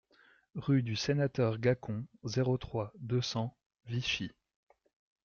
Rue du Sénateur Gacon, zéro trois, deux cents Vichy